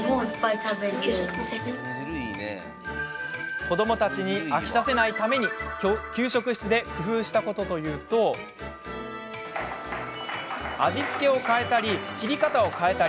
子どもたちに飽きさせないために給食室で工夫したことというと味付けを変えたり切り方を変えたり。